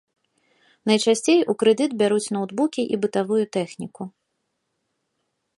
Найчасцей у крэдыт бяруць ноўтбукі і бытавую тэхніку.